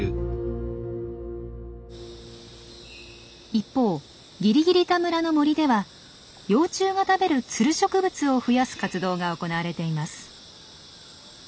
一方ギリギリタ村の森では幼虫が食べるツル植物を増やす活動が行われています。